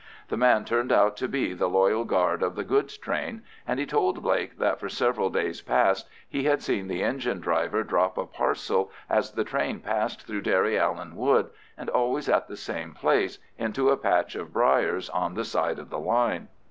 The man turned out to be the loyal guard of the goods train, and he told Blake that for several days past he had seen the engine driver drop a parcel as the train passed through Derryallen Wood, and always at the same place, into a patch of briers on the side of the line.